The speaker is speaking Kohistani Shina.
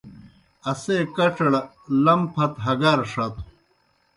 اسے کڇڑ لم پھت ہگار ݜٹوْ۔